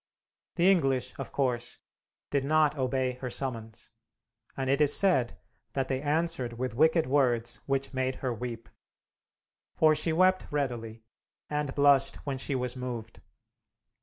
The English, of course, did not obey her summons, and it is said that they answered with wicked words which made her weep. For she wept readily, and blushed when she was moved.